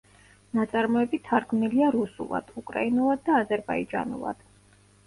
ნაწარმოები თარგმნილია რუსულად, უკრაინულად და აზერბაიჯანულად.